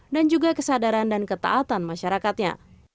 dan juga kesadaran dan ketaatan masyarakatnya